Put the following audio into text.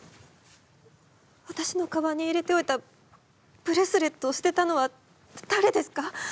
わたしのかばんに入れておいたブレスレットを捨てたのはだれですか？